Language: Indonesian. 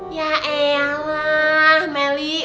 ya eh alah melih